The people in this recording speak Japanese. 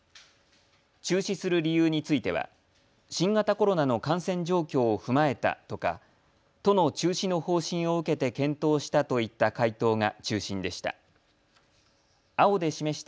中止する理由については新型コロナの感染状況を踏まえたとか都の中止の方針を受けて検討したといった回答が中心でした。